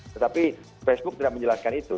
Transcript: tetapi facebook tidak menjelaskan itu